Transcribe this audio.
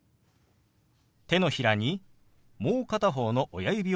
手のひらにもう片方の親指を当てます。